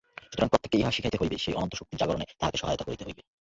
সুতরাং প্রত্যেককে ইহা শিখাইতে হইবে, সেই অনন্তশক্তির জাগরণে তাহাকে সহায়তা করিতে হইবে।